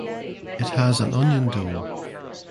It has an onion dome.